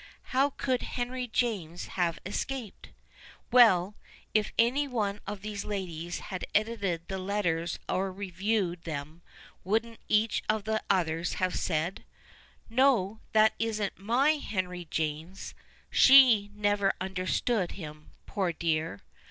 How could Henry James have escaped ? Well, if any one of these ladies had edited the Letters or reviewed them, wouldn't each of the others have said :" No, that isn't my Henry James — sJie never understood him, poor dear